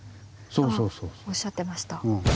あぁおっしゃってました。